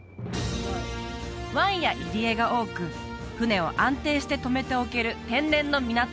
湾や入り江が多く船を安定してとめておける天然の港